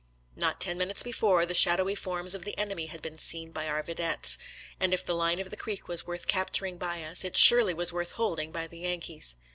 Not ten minutes before, the shadowy forms of the enemy had been seen by our videttes, and if the line of the creek was worth capturing by us, it surely was worth hold ing by the Yankees.